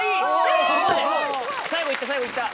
最後いった最後いった。